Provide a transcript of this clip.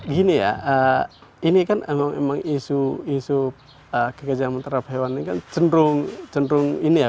gini ya ini kan emang emang isu kegajaran menterap hewan ini kan cenderung ini ya